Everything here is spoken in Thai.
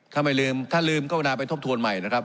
ถ้าไม่ลืมถ้าลืมก็เวลาไปทบทวนใหม่นะครับ